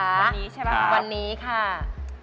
วันนี้ใช่ไหมคะวันนี้ค่ะครับ